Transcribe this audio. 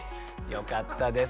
よかったです。